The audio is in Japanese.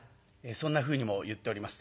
そんなふうにも言っております。